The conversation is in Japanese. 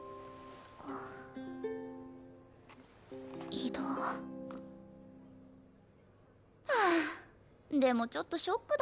異動でもちょっとショックだな。